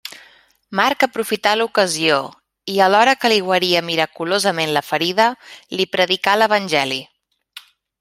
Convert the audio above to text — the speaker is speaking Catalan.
Marc aprofità l'ocasió i, alhora que li guaria miraculosament la ferida, li predicà l'evangeli.